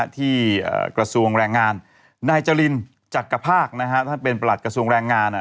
กระทรวงแรงงานนายจรินจักรภาคท่านเป็นประหลัดกระทรวงแรงงาน